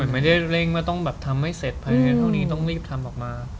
แบบไม่ได้แรงต้องแบบทำให้เสร็จเพราะไม่แค่ไหนเท่านี้ต้องรีบทำออกมา